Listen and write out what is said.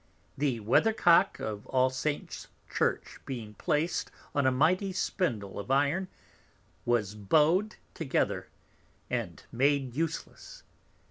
The Weather cock of All Saints Church being placed on a mighty Spindle of Iron, was bowed together, and made useless.